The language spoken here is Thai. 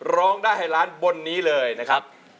ร้องได้ให้ล้านบนนี้เลยนะครับ